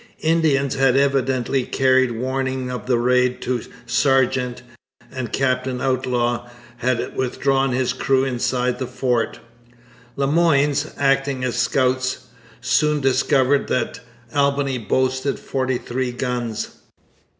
Indians had evidently carried warning of the raid to Sargeant, and Captain Outlaw had withdrawn his crew inside the fort. The Le Moynes, acting as scouts, soon discovered that Albany boasted forty three guns.